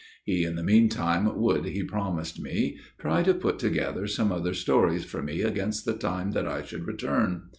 He in the meantime would, he promised me, try to put together some other stories for me against the time that I should return.